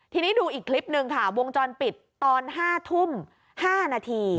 ทีนี้ดูอีกคลิปหนึ่งค่ะวงจรปิดตอน๕ทุ่ม๕นาที